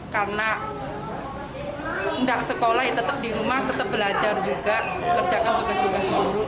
karena tidak sekolah tetap di rumah tetap belajar juga kerjakan tugas tugas guru